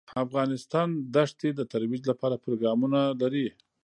افغانستان د ښتې د ترویج لپاره پروګرامونه لري.